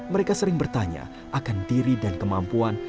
mereka sering bertanya akan diri dan kemampuan